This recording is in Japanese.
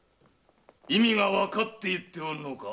意味がわかって言っておるのか？